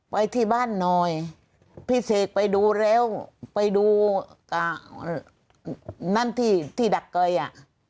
ไปที่บ้านหน่อยพี่เสกไปดูแล้วไปดูนั่นที่ที่ดักไกลอ่ะ